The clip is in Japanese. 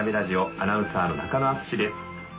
アナウンサーの中野淳です。